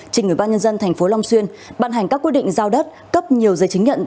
trên người ban nhân dân tp long xuyên bàn hành các quyết định giao đất cấp nhiều giấy chứng nhận